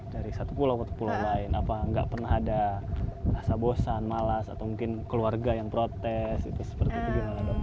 dari satu pulau ke pulau lain apa nggak pernah ada rasa bosan malas atau mungkin keluarga yang protes itu seperti itu gimana dok